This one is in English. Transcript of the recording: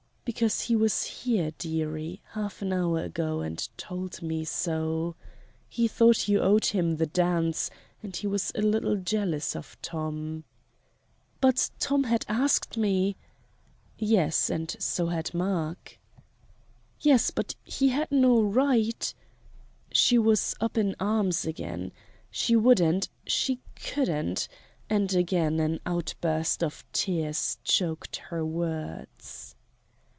"Because he was here, dearie, half an hour ago and told me so. He thought you owed him the dance, and he was a little jealous of Tom." "But Tom had asked me " "Yes and so had Mark " "Yes but he had no right " She was up in arms again: she wouldn't she couldn't and again an outburst of tears choked her words.